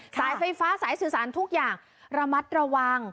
สายไฟฟ้าสายสื่อสารทุกอย่างระมัดระวัง